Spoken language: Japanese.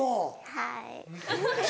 はい。